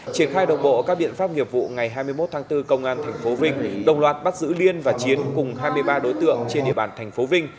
triển khai độc bộ các biện pháp nghiệp vụ ngày hai mươi một tháng bốn công an tp vinh đồng loạt bắt giữ liên và chiến cùng hai mươi ba đối tượng trên địa bàn tp vinh